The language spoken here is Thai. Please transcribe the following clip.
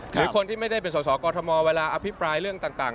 หรือคนที่ไม่ได้เป็นสอสอกอทมเวลาอภิปรายเรื่องต่าง